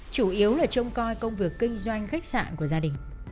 chủ yếu là trông coi công việc kinh doanh khách sạn của gia đình